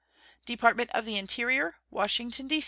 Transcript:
DEPARTMENT OF THE INTERIOR, _Washington, D.